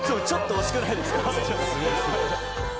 惜しくないですか？